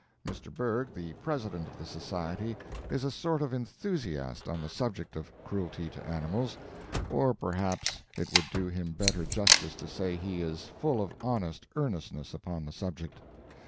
Mr. Bergh, the President of the Society, is a sort of enthusiast on the subject of cruelty to animals—or perhaps it would do him better justice to say he is full of honest earnestness upon the subject.